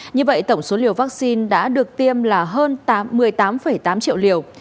như vậy tổng số liều vaccine đã được tiêm là hơn một mươi tám tám triệu liều